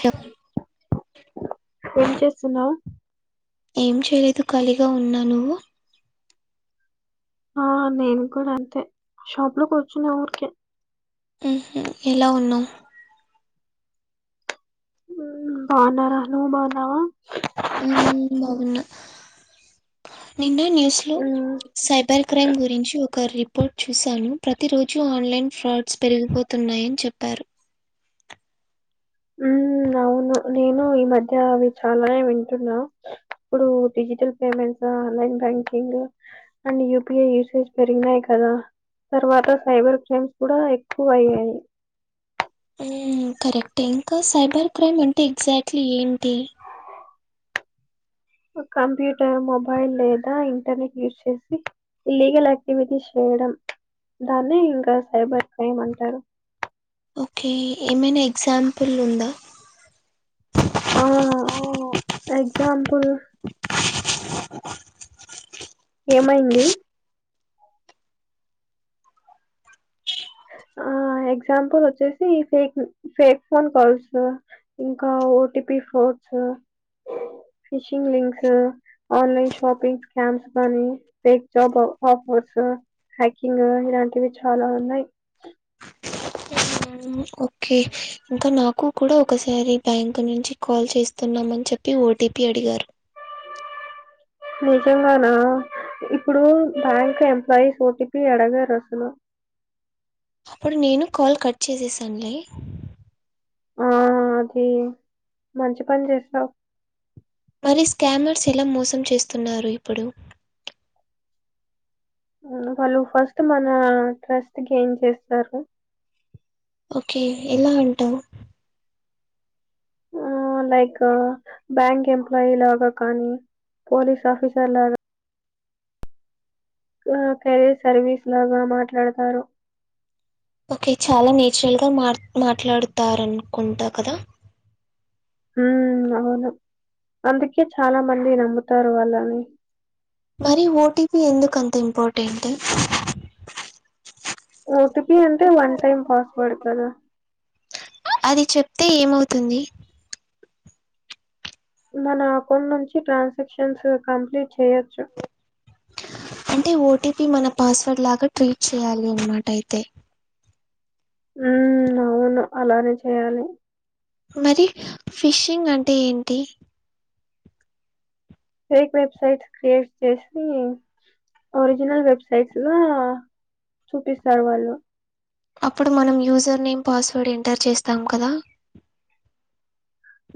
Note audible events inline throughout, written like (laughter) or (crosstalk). హె ఏం చేస్తున్నావు ఏం చేయలేదు ఖాళీగా ఉన్నా నువ్వు ఆ నేను కూడా అంతే షాప్ లో కూర్చున్నా ఊరికే ఉహు ఎలా ఉన్నావ్ బాగున్నారా నువ్వు బాగున్నావా ఊ బావున్న నిన్న న్యూస్ లో మ్మ్ సైబర్ క్రైమ్ గురించి ఒక ఒక రిపోర్ట్ చూశాను ప్రతి రోజు ఆన్లైన్ ఫ్రాడ్స్ పెరిగిపోతున్నాయని చెప్పారు ఊ అవును నేను ఈ మధ్య అవి చాలానే వింటున్నా ఇప్పుడు digital payments online banking and UPI usage పెరిగీ నాయి కదా తర్వాత సైబర్ క్రైమ్స్ కూడా ఎక్కువ అయ్యాయి ఊ కరెక్ట్ ఇంకా సైబర్ క్రైమ్ అంటే ఎగ్జాక్ట్లీ ఏంటి ఇపుడు కంప్యూటర్ మొబైల్ లేదా ఇంటర్నెట్ యూజ్ చేసి లీగల్ యాక్టివిటీస్ చేయడం దాన్నే ఇంకా సైబర్ క్రైమ్ అంటారు ఓకే ఏమైనా ఎగ్జాంపుల్ ఉందా ఆహ ఓ, ఎగ్జాంపుల్ ఏమైంది ఆ ఎగ్జాంపుల్ వచ్చేసి ఫేక్ ఫేక్ ఫోన్ కాల్స్ ఇంకా ఓటిపి ఫోట్స్ phishing links online shopping scams గానీ ఫేక్ జాబ్ ఆఫర్స్ హ్యాకింగ్ ఇలాంటివి చాలా ఉన్నాయి ఉ ఓకే ఇంకా నాకు కూడా ఒకసారి బ్యాంక్ నుంచి కాల్ చేస్తున్నామని చెప్ టి ఓటీపీ అడిగారు నిజంగానా ఇప్పుడు బ్యాంక్ ఎంప్లాయిస్ ఓటీపీ ఆడగారు అసలు అప్పుడు నేను కాల్ కట్ చేసేసా అండి ఆ అది మంచి పని చేసావు మరి స్కామర్స్ ఎలా మోసం చేస్తున్నారు ఇప్పుడు అవును వాళ్ళు ఫస్ట్ మన ట్రస్ట్ గెయిన్ చేస్తారు ఓకే ఎలా అంటావు ఆ లైక్ బ్యాంక్ ఎంప్లాయి లాగా కానీ పోలీస్ ఆఫీసర్ లాగా ఆ కెరీర్ సర్వీస్ లాగా మాట్లాడతారు ఓకే చాలా నేచురల్ గా మాట్లాడుతారు అనుకుంటా కదా హు అవును అందుకే చాలా మంది నమ్ముతారు వాళ్ళని మరి ఓటీపి ఎందుకు అంత ఇంపార్టెంట్ ఓటిపీ అంటే వన్ టైమ్ పాస్వర్డడ్ కదా అది చెప్తే ఏమవుతుంది మన అకౌంట్ నుంచి ట్రాన్సాక్షన్స్ కంప్లీట్ చేయొచ్చు అంటే ఓటీపీ మన పాస్వర్డ్ లాగా ట్రీట్ చేయాలి అన్నమాట అయితే ఉ అవును అలానే చేయాలి మరి ఫిషింగ్ అంటే ఏంటి ఫేక్ వెబ్సైట్ క్రియేట్ చేసి ఒరిజినల్ వెబ్సైట్స్ లా చూపిస్తారు వాళ్ళు అప్పుడు మనం యూజర్ నేమ్ పాస్వర్డ్ ఎంటర్ చేస్తాం కదా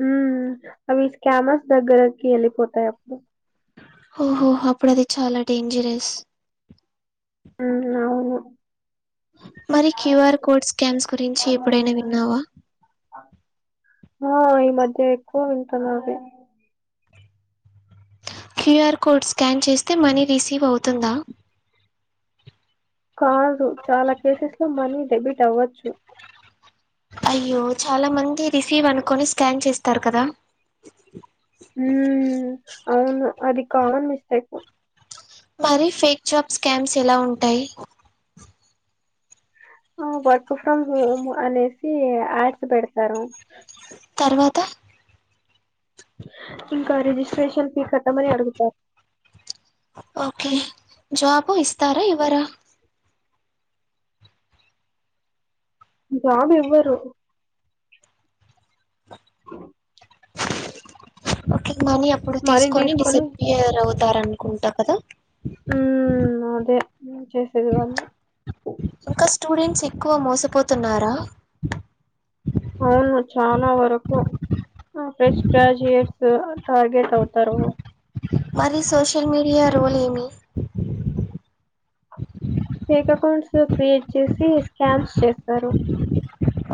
ఉహ్ అవి స్కామర్స్ దగ్గరకి వెళ్ళిపోతాయి అప్పుడు ఓహో ఓహో అప్పుడు అది చాలా డేంజరస్ ఉ హు అవును మరి క్యూఆర్ కోడ్ స్కాన్స్ గురించి ఎప్పుడైనా విన్నావా ఆ ఈ మధ్య ఎక్కువ వింటున్న అది క్యూఆర్ కోడ్ స్కాన్ చేస్తే మనీ రిసీవ్ అవుతుందా కాదు చాలా కేసెస్ లో మనీ డెబిట్ అవ్వచ్చు అయ్యో చాలా మంది రిసీవ్ అనుకొని స్కాన్ చేస్తారు కదా హు అవును అది కామన్ మిస్టేక్ మరి ఫేక్ జాబ్ స్కామ్స్ ఎలా ఉంటాయి వర్క్ ఫర్ హోమ్ అనేసి యాడ్స్ పెడతారు తర్వాత ఇంకా రిజిస్ట్రేషన్ ఫీ కట్టమని అడుగుతారు ఓకే జాబు ఇస్తారా ఇవరా జాబ్ ఇవ్వరు ఓకే మనీ అప్పుడు తీసుకొని డిసిపియర్ అవుతార అనుకుంటా కదా ఉ అదే నేను చేసేది కూడా అదే ఇంకా స్టూడెంట్స్ ఎక్కువ మోసపోతున్నారా అవును చాలా వరకు ఫ్రెష్ గ్రాజుయేట్స్ టార్గెట్ అవుతారు మరి సోషల్ మీడియా రోల్ ఏమి ఫేక్ అకౌంట్స్ క్రియేట్ చేసి స్కామ్స్ చేస్తారు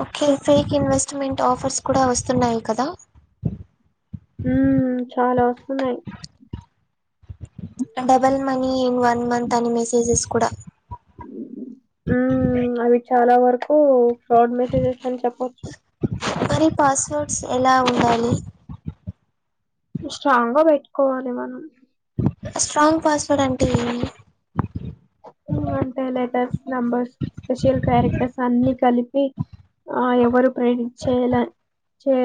ఒకే ఫేక్ ఇన్వెస్ట్మెంట్ ఆఫర్స్ కూడా వస్తున్నాయి కదా ఊ చాలా వస్తున్నాయి, double money in one month అని మెసేజెస్ కూడా ఉ అవి చాలా వరకు ఫ్రాడ్ మెసేజెస్ అని చెప్పొచ్చు మరి పాస్వర్డ్స్ ఎలా ఉండాలి, స్ట్రాంగ్ గా పెట్టుకోవాలి మనం స్ట్రాంగ్ పాస్వర్డ్ అంటే ఏమి అంటే లెటర్స్ నంబర్స్ స్పెషల్ క్యారెక్టర్స్ అన్ని కలిపి ఆ ఎవరు ప్రేమించేలా చే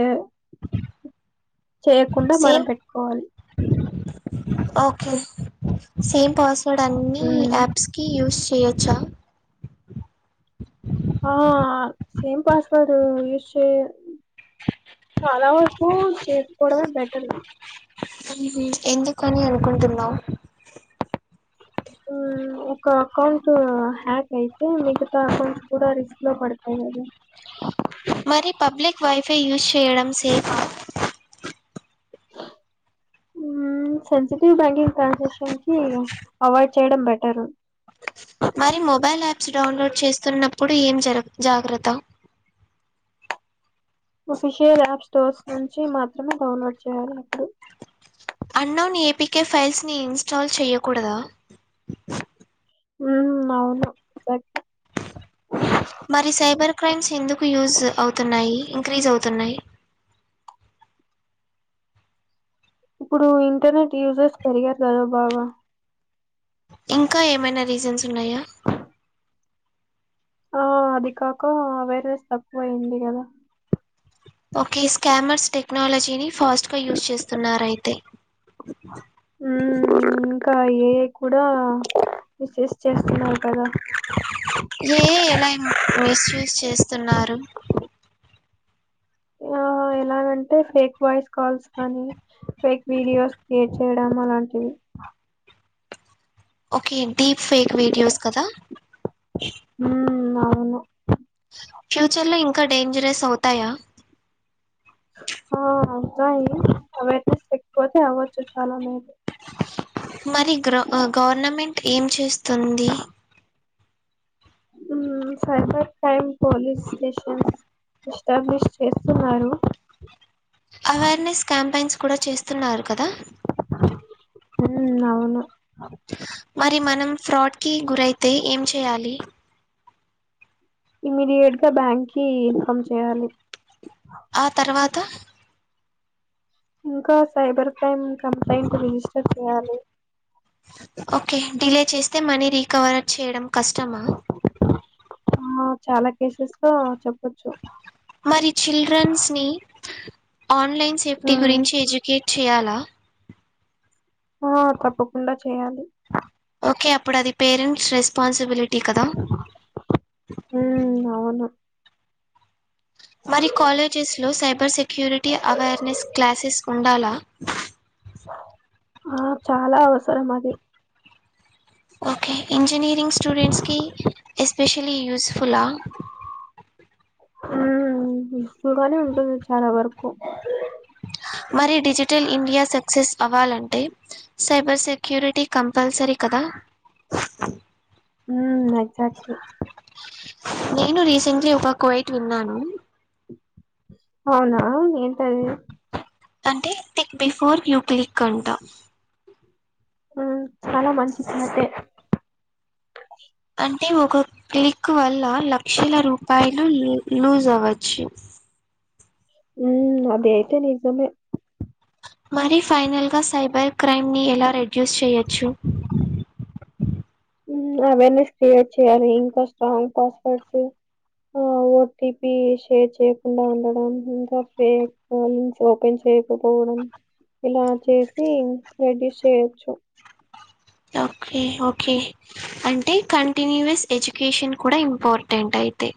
చేయకుండా మనం పెట్టుకోవాలి ఒకే సేమ్ పాస్ ఇక్కడ అన్ని హ్మ్. యాప్స్ కి యూస్ చేయొచ్చా ఆ సేమ్ పాస్వర్డ్ యూస్ చే చాలా వరకు చేస్కోవడమే బెటరు ఉహు ఎందుకని అనుకుంటున్నావ్ ఉమ్ ఒక అకౌంట్ హ్యాక్ అయితే మిగతా అకౌంట్స్ కూడా రిస్క్ లో పడతాయి కదా (unintelligible) మరి పబ్లిక్ వైఫై యూజ్ చేయడం సేఫ్ ఆ (unintelligible) ఉ సెన్సిటివ్ బ్యాంకింగ్ ట్రాన్సాక్షన్ కి అవాయిడ్ చేయడం బెటరు మరి మొబైల్ యాప్స్ డౌన్లోడ్ చేస్తున్నప్పుడు ఏం జ జాగ్రత్త అఫిషియల్ యాప్ స్టోర్స్ నుంచి మాత్రమే డౌన్లోడ్ చేయ్యాలి ఆప్పుడు అన్నౌన్ ఏపీకే ఫైల్స్ని ఇన్స్టాల్ చేయకూడదా ఉ అవును బాట్ మరి సైబర్ క్రైమ్స్ ఎందుకు యూజ్ అవుతున్నాయి, ఇంక్రీజ్ అవుతున్నాయి ఇప్పుడు ఇంటర్నెట్ యూజర్స్ పెరిగారు కదా బాగా ఇంకా ఏమైనా రీజన్స్ ఉన్నాయా ఆ అది కాక వేర్నెస్ తక్కువయింది కదా ఓకే స్కామర్స్ టెక్నాలజీని ఫాస్ట్ గా యూస్ చేస్తున్నారు అయితే ఉ ఇంకా ఏఐ కూడా మిస్ యూస్ చేస్తున్నారు కదా ఏఐ ఎలా మిస్ యూస్ చేస్తున్నారు ఆ ఎ ఎలాగంటే ఫేక్ వాయిస్ కాల్స్ కానీ ఫేక్ వీడియోస్ క్రియేట్ చేయడం అలాంటివి ఓకే డీప్ ఫేక్ వీడియోస్ కదా ఉ అవును ఫ్యూచర్ లో ఇంకా డేంజరస్ అవుతాయా ఆ అబ్బాయి అవేర్నెస్ లేకపోతే అవ్వచ్చు చాలా మేలు మరి గ్ర గవర్నమెంట్ ఏం చేస్తుంది cyber crime police stations establish చేస్తున్నారు. అవేర్నెస్ క్యాంపెన్స్ కూడా చేస్తున్నారు కదా. ఉమ్ అవును మరి మనం ఫ్రాడ్ కి గురైతే ఏం చేయాలి. ఇమీడియేట్ గా బ్యాంక్ కి ఇన్ఫమ్ చేయాలి. ఆ తర్వాత ఇంకా సైబర్ క్రైమ్ కంప్లైంట్ రిజిస్టర్ చేయాలి. ఓకే డిలే చేస్తే మనీ రీకవర్ చేయడం కష్టమా. ఆ చాలా కేసెస్ లో చెప్పొచ్చు. మరి చిల్డ్రన్స్ని ఆన్లైన్ సేఫ్టీ మ్మ్ గురించి ఎడ్యుకేట్ చెయ్యలా. ఆ తప్పకుండా చేయాలి. ఓకే అప్పుడు అది పేరెంట్స్ రెస్పాన్సిబిలిటీ కదా. ఉమ్ అవును మరి కాలేజెస్లో సైబర్ సెక్యూరిటీ అవేర్నెస్ క్లాసెస్ ఉండాలా. ఆ చాలా అవసరం అది. ఓకే ఇంజీనీరింగ్ స్టూడెట్స్కి ఎస్పెషలీ యూస్ఫుల్ ఆ ఉహ్ ఈఫుల్ గానే ఉంటుంది చాలా వరకు మరి డిజిటల్ ఇండియా సక్సెస్ అవ్వాలంటే, సైబర్ సెక్యూరిటీ కంపల్సరి కదా. ఉహ్మ్ ఎగ్జాట్లి. నేను రీసెంట్లీ ఒక కోవైట్ విన్నాను. హోనా ఏంటాది. తంటే థిక్ బిఫోర్ యూ క్లిక్ అంటా. హు చాలా మంచికునాటే అంటే ఒక క్లిక్ వల్ల లక్షల రూపాయలు లు లూజ్ అవ్వచ్చు. ఉమ్ అది అయితే నిజమే. మరి ఫైనల్గా సైబర్ క్రైమ్ని ఎలా రెడ్యూస్ చేయొచ్చు. ఉహ్ అవేర్నెస్ క్రియేట్ చేయ్యాలి, ఇంకా స్ట్రాంగ్ కాస్ఫర్ట్స్. ఓ ఓకే పీ షేర్ చేయకుండా ఉండడానికి ఇంకా ఫ్రేక్. రో లింక్స్ ఓపెన్ చేయకపోవడం ఇలా చేసి రెడ్యూస్ చేయచ్చు. ఓకే ఓకే అంటే కంటిన్యూయస్ ఎడ్యుకేషన్ కూడా ఇంపార్టెంట్ అయితే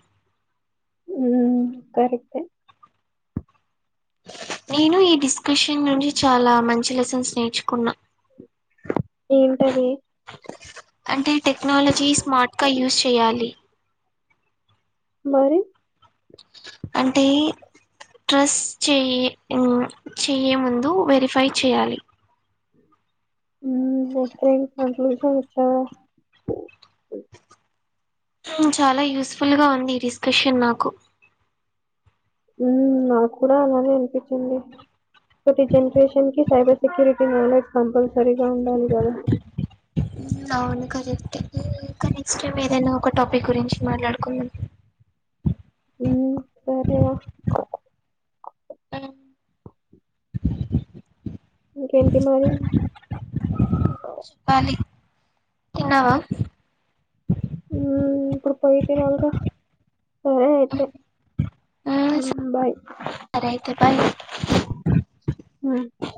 ఉఉహ్ కరక్ట్ ఏ నీను ఈ డిస్కషన్ నుంచి చాలా మంచి లెసన్స్ నేర్చుకున్నా. ఏంటది అంటే టెక్నాలజీ స్మార్ట్ గా యూస్ చేయాలి. మరి అంటే ట్రస్ చెయ్యే ఉహ్ చేయే ముందు వెరిఫై చేయాలి. ఉమ్ ఎక్రెన్ కంక్లూషన్ ఇచ్చావో. ఉ చాలా యూజస్ఫుల్ గా ఉంది డిస్కషన్ నాకు ఉ నాకు కూడా అలానే అనిపించింది. ప్రతి జనరేషన్ కి సైబర్ సెక్యూరిటీ మేనేజ్ కంపల్సరీగా ఉండాలి కదా. అవును కదతే ఇంకా నెక్స్ట్ టైమ్ ఏదైనా ఒక టాపిక్ గురించి మాట్లాడుకున్నాం. ఊ సరయా అ ఇంకేంటి మరి నువ్వే చెపాలి తిన్నావా ఊ ఇప్పుడు పోయితినల్రా సరే అయితే ఊ ఉమ్, బాయ్ సరే అయితే బాయ్ ఉ